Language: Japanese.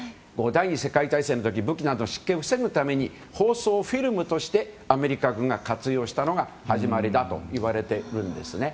第２次世界大戦の時武器などの湿気を防ぐために包装フィルムとしてアメリカ軍が活用したのが始まりだといわれているんですね。